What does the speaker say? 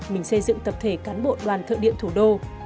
mình xây dựng tập thể cán bộ đoàn thợ điện thủ đô